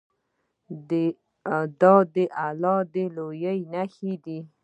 دا د الله د لویۍ نښې دي.